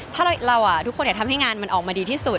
ถ้าเราทุกคนทำให้งานมันออกมาดีที่สุด